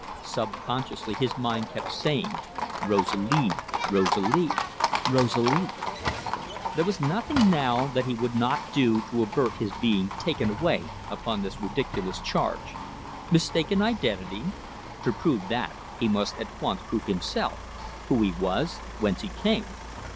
Subconsciously his mind kept saying, "Rosalie Rosalie Rosalie!" There was nothing now that he would not do to avert his being taken away upon this ridiculous charge. Mistaken identity? To prove that, he must at once prove himself who he was, whence he came.